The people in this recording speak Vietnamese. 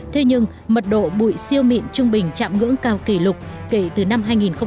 thế nhưng mật độ bụi siêu mịn trung bình chạm ngưỡng cao kỷ lục kể từ năm hai nghìn một mươi